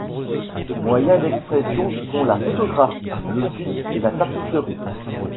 Ses moyens d’expression sont la photographie, le film et la tapisserie.